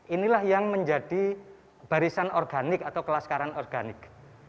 inilah yang menjadi barisan organik atau kelas karan organik